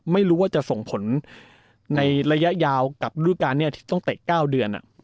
ไม่รู้ว่าจะส่งผลในระยะยาวกับรูปการณ์ที่ต้องเตะ๙เดือน